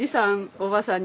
おばさんに。